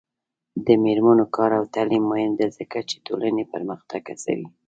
د میرمنو کار او تعلیم مهم دی ځکه چې ټولنې پرمختګ هڅوي.